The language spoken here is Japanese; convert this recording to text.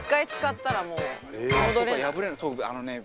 あのね